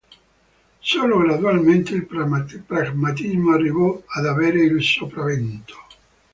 Solo gradualmente il pragmatismo arrivò ad avere il sopravvento.